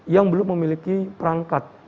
yang belum memiliki perangkat